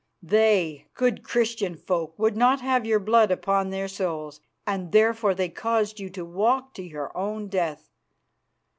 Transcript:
They, good Christian folk, would not have your blood upon their souls, and therefore they caused you to walk to your own death.